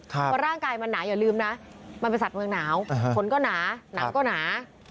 เพราะร่างกายมันหนาอย่าลืมนะมันเป็นสัตว์เมืองหนาวผลก็หนาหนาวก็หนา